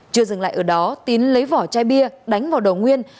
chưa dừng lại ở đó tín lấy vỏ chai bia đánh vào đầu nguyên